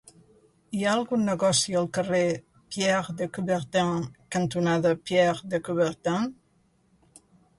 Hi ha algun negoci al carrer Pierre de Coubertin cantonada Pierre de Coubertin?